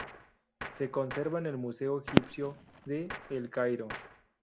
Se conserva en el Museo Egipcio de El Cairo.